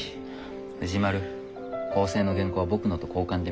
藤丸校正の原稿は僕のと交換で見よう。